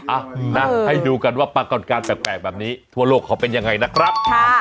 อ่ะนะให้ดูกันว่าปรากฏการณ์แปลกแบบนี้ทั่วโลกเขาเป็นยังไงนะครับ